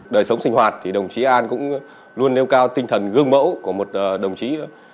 đời sống sinh hoạt thì đồng chí an cũng luôn nêu cao tinh thần gương mẫu của một đồng chí